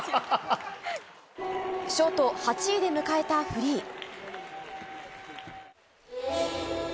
ショート８位で迎えたフリー。